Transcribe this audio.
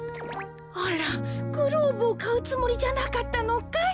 あらグローブをかうつもりじゃなかったのかい？